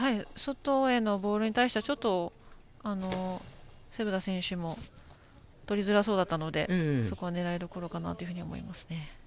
外へのボールに対してはちょっとセブダ選手もとりづらそうだったのでそこが狙いどころかなと思います。